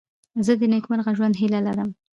زه د نېکمرغه ژوند هیله لرم.